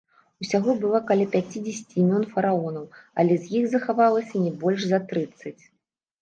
Усяго было каля пяцідзесяці імён фараонаў, але з іх захавалася не больш за трыццаць.